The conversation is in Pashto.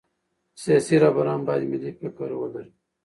سیاسي رهبران باید ملي فکر ولري